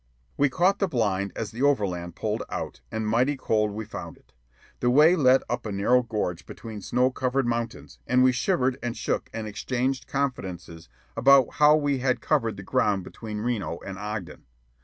We caught the blind as the overland pulled out, and mighty cold we found it. The way led up a narrow gorge between snow covered mountains, and we shivered and shook and exchanged confidences about how we had covered the ground between Reno and Ogden.